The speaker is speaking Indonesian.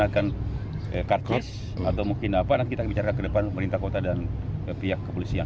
akan kartus atau mungkin apa nanti kita bicara ke depan pemerintah kota dan pihak kepolisian